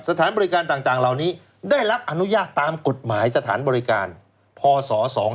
สถานบริการต่างเหล่านี้ได้รับอนุญาตตามกฎหมายสถานบริการพศ๒๕๖